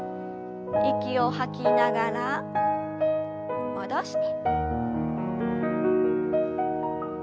息を吐きながら戻して。